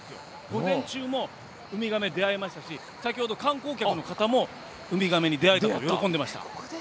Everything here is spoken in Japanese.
午前中もウミガメ出会えましたし先ほど、観光客の方もウミガメに出会えたと喜んでました。